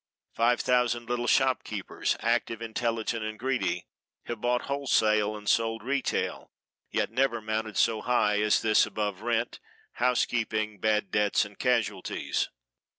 Five thousand little shopkeepers, active, intelligent and greedy, have bought wholesale and sold retail, yet never mounted so high as this above rent, housekeeping, bad debts and casualties.